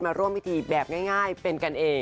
มาร่วมพิธีแบบง่ายเป็นกันเอง